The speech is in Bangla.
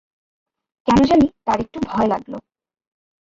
কেন জানি তাঁর একটু ভয় লাগল।